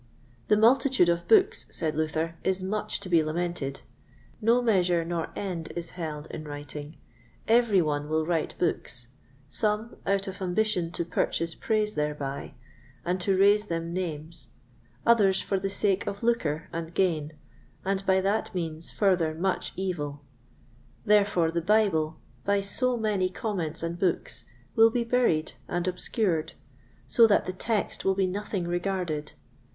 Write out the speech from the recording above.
The multitude of books, said Luther, is much to be lamented; no measure nor end is held in writing; every one will write books; some out of ambition to purchase praise thereby, and to raise them names; others for the sake of lucre and gain, and by that means further much evil. Therefore the Bible, by so many comments and books, will be buried and obscured, so that the Text will be nothing regarded.